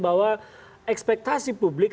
bahwa ekspektasi publik